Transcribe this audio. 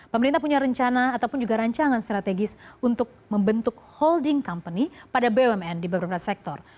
pemerintah punya rencana ataupun juga rancangan strategis untuk membentuk holding company pada bumn di beberapa sektor